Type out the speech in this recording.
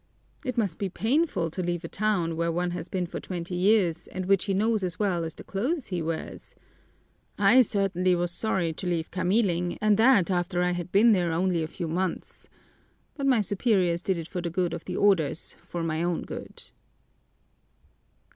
"It must be painful to leave a town where one has been for twenty years and which he knows as well as the clothes he wears. I certainly was sorry to leave Kamiling and that after I had been there only a few months. But my superiors did it for the good of the Orders for my own good."